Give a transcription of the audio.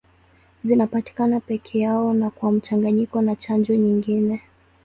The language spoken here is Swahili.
Zinapatikana peke yao na kwa mchanganyiko na chanjo nyingine.